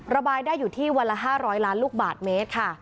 ระบายได้อยู่ที่วันละ๕๐๐ล้านลูกบาทเมตรค่ะ